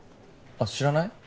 あっ知らない？